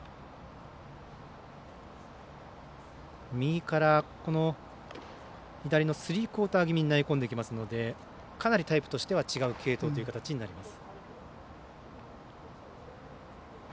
右から左のスリークオーター気味に投げ込んできますのでかなりタイプとしては違う継投という形になります。